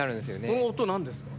この音何ですか？